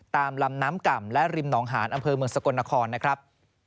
ตามลำน้ำก่ำและริมหนองหานอำเภอเมืองสกลนครนะครับ